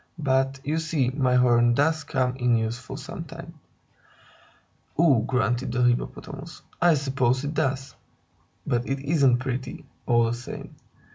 But, you see, my horn does come in useful sometimes." "Ugh!" grunted the Hippopotamus. "I suppose it does. But it isn't pretty, all the same."